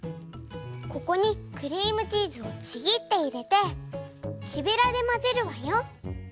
ここにクリームチーズをちぎって入れてきべらで混ぜるわよ。